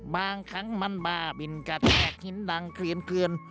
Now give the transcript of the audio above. บางครั้งมันบ้าบินกระแจกหินดังเคลื่อนเคลื่อน